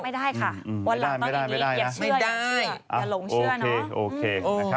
ไม่ได้ค่ะวันหลังตอนนี้อย่าเชื่ออย่าหลงเชื่อนะ